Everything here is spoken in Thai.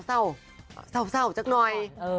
เศร้าสักน้อย